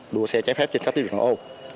đua xe trái phép trên các tiêu diệt ngọn ô